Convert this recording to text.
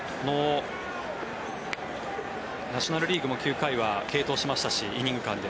ナショナル・リーグも９回は継投しましたし、イニング間で。